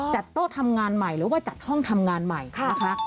โต๊ะทำงานใหม่หรือว่าจัดห้องทำงานใหม่นะคะ